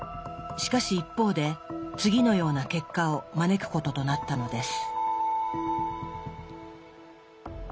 しかし一方で次のような結果を招くこととなったのです。